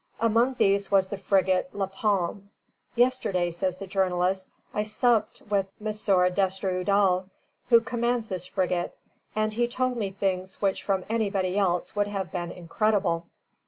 Among these was the frigate "La Palme." "Yesterday," says the journalist, "I supped with M. Destrahoudal, who commands this frigate; and he told me things which from anybody else would have been incredible.